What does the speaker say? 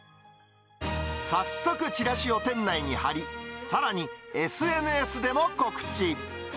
早速チラシを店内に貼り、さらにＳＮＳでも告知。